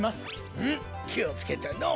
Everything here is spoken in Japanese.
うむきをつけてのぉ。